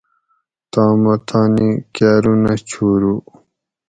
تامہ تانی کاۤرونہ چھورو